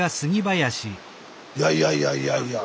いやいやいやいやいや。